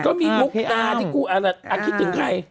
ก็มีมุกตาที่กูคิดถึงใคร